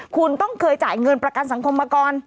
คุณต้องเคยจ่ายเงินประกันสังคมมาก่อน